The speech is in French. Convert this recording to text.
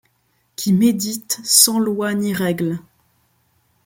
Qui méditent sans lois ni règles.